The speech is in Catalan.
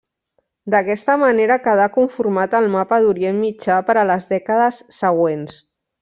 D'aquesta manera quedà conformat el mapa d'Orient Mitjà per a les dècades següents.